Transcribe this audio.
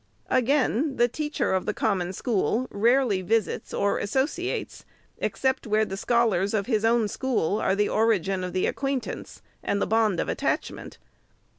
Again : the teacher of the Common School rarely visits or associates, except where the scholars of his own school are the origin of the acquaintance, and the bond of at tachment.